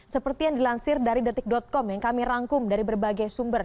seperti yang dilansir dari detik com yang kami rangkum dari berbagai sumber